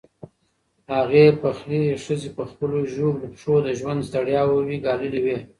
هغې پخې ښځې په خپلو ژوبلو پښو د ژوند ستړیاوې ګاللې وې.